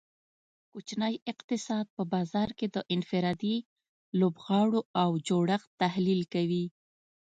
کوچنی اقتصاد په بازار کې د انفرادي لوبغاړو او جوړښت تحلیل کوي